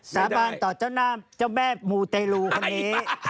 สาบานต่อเจ้าหน้าเจ้าแม่มูเตรลูคนนี้